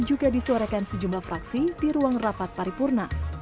juga disuarakan sejumlah fraksi di ruang rapat paripurna